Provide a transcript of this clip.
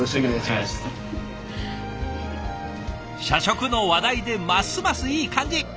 社食の話題でますますいい感じ。